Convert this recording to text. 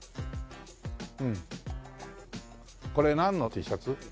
これなんのＴシャツ？